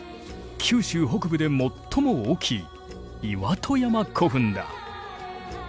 九州北部で最も大きい岩戸山古墳だ。